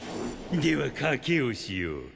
では賭けをしよう。